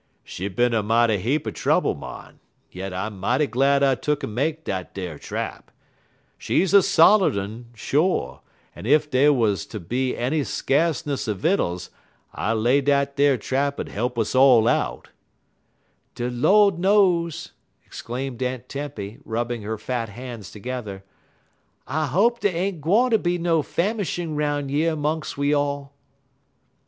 "She bin er mighty heap er trouble, mon, yet I mighty glad I tuck'n make dat ar trap. She's a solid un, sho', en ef dey wuz ter be any skaceness er vittles, I lay dat ar trap 'ud help us all out." "De Lord knows," exclaimed Aunt Tempy, rubbing her fat hands together, "I hope dey ain't gwine ter be no famishin' 'roun' yer 'mungs we all."